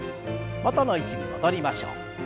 元の位置に戻りましょう。